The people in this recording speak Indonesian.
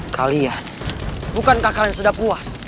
kalian bukankah kalian sudah puas